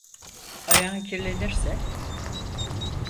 Ayağın kirlenirse.